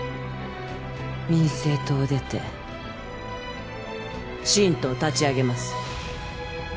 民政党を出て新党を立ち上げます